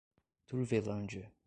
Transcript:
Turvelândia